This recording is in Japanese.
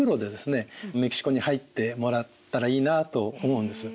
メキシコに入ってもらったらいいなと思うんです。